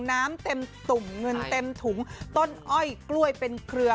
น้ำเต็มตุ่มเงินเต็มถุงต้นอ้อยกล้วยเป็นเครือ